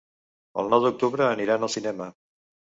El nou d'octubre aniran al cinema.